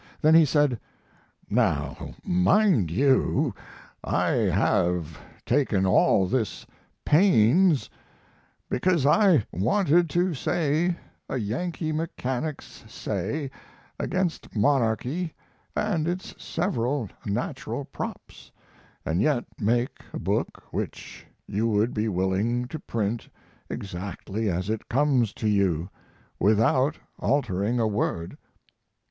Then he said: Now, mind you, I have taken all this pains because I wanted to say a Yankee mechanic's say against monarchy and its several natural props, and yet make a book which you would be willing to print exactly as it comes to you, without altering a word.